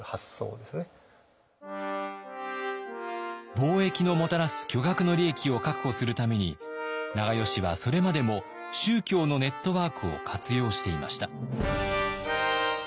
貿易のもたらす巨額の利益を確保するために長慶はそれまでも宗教のネットワークを活用していました。